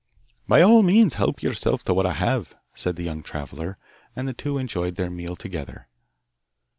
'By all means. Help yourself to what I have,' said the young traveller. And the two enjoyed their meal together.